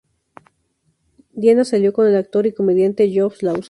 Diana salió con el actor y comediante Josh Lawson.